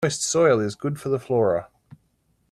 Moist soil is good for the flora.